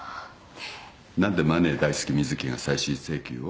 何でマネー大好き瑞希が再審請求を？